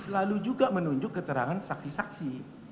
selalu juga menunjuk keterangan saksi saksi